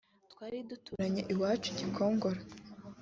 twari duturanye iwacu Gikongoro